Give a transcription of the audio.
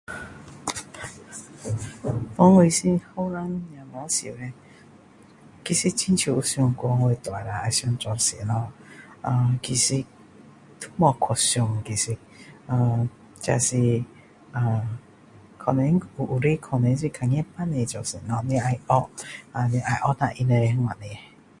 当我是年轻小孩是其实是有想过长大后想要做什么其实都没有去想其实呃呃这是呃可能有的可能是看到父母做什么啊你要像他们那样